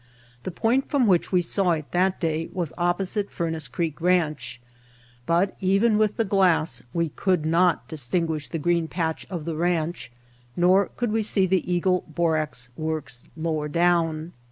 The point from which we saw it that day was opposite Furnace Creek Ranch, but even with the glass we could not distin guish the green patch of the ranch, nor could we see the Eagle Borax Works lower down.